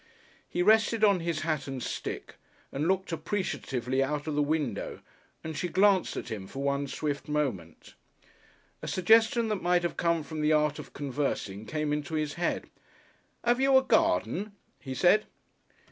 He rested on his hat and stick and looked appreciatively out of the window, and she glanced at him for one swift moment. A suggestion that might have come from the Art of Conversing came into his head. "Have you a garden?" he said.